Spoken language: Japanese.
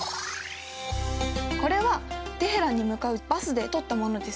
これはテヘランに向かうバスで撮ったものです。